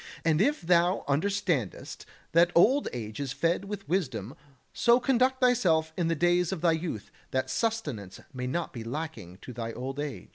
And if thou understandest that old age is fed with wisdom, so conduct thyself in the days of thy youth that sustenance may not be lacking to thy old age.